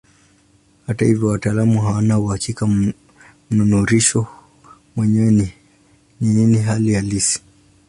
Hata hivyo wataalamu hawana uhakika mnururisho mwenyewe ni nini hali halisi.